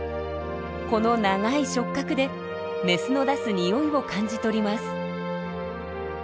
この長い触角でメスの出す匂いを感じ取ります。